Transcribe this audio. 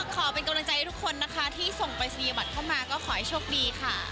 ขอเป็นกำลังใจให้ทุกคนนะคะที่ส่งปรายศนียบัตรเข้ามาก็ขอให้โชคดีค่ะ